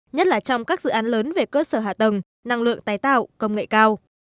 nhất là trong các dự án lớn về cơ sở hạ tầng năng lượng tái tạo công nghệ cao